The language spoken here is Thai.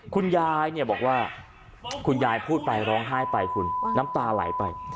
คุณยายบอกว่าคุณยายพูดไปร้องไห้ไปคุณน้ำตาไหลไป